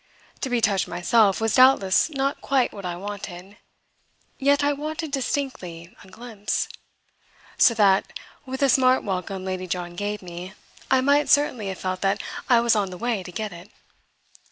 To be touched myself was doubtless not quite what I wanted; yet I wanted, distinctly, a glimpse; so that, with the smart welcome Lady John gave me, I might certainly have felt that I was on the way to get it.